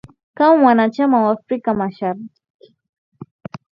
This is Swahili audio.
kama mwanachama wa afrika mashariki